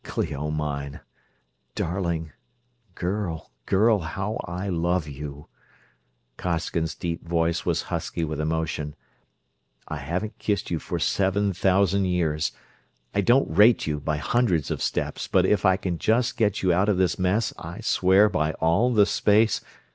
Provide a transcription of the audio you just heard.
"Clio mine ... darling ... girl, girl, how I love you!" Costigan's deep voice was husky with emotion. "I haven't kissed you for seven thousand years! I don't rate you, by hundreds of steps; but if I can just get you out of this mess, I swear by all the space...."